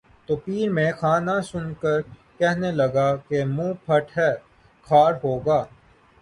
تو پیر مے خانہ سن کے کہنے لگا کہ منہ پھٹ ہے خار ہوگا